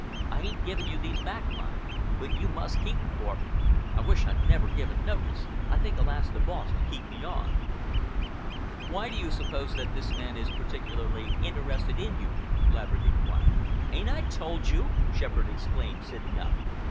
"I ain't giving you these back, mind, but you must keep 'em for me. I wish I'd never given notice. I think I'll ask the boss to keep me on." "Why do you suppose that this man is particularly interested in you?" Laverick inquired. "Ain't I told you?" Shepherd exclaimed, sitting up.